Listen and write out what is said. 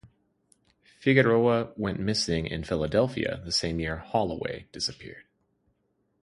Figueroa went missing in Philadelphia the same year Holloway disappeared.